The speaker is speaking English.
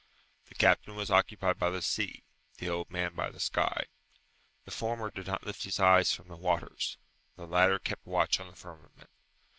The captain was occupied by the sea, the old man by the sky. The former did not lift his eyes from the waters; the latter kept watch on the firmament.